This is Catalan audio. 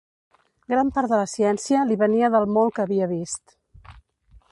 ...gran part de la ciència l’hi venia del molt que havia vist.